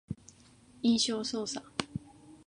印象操作